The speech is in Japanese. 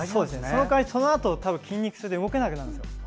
その代わりそのあと筋肉痛で動けなくなるんです。